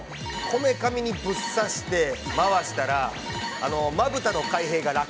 こめかみにぶっ刺して回したら、まぶたの開閉が楽。